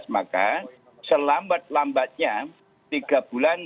maka selambat lambatnya tiga bulan